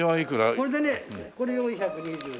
これでねこれ４２０円。